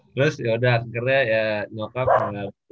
terus yaudah akhirnya ya nyokap ya berangkat ke uph